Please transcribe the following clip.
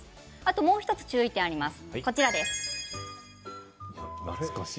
もう１つ注意点があります。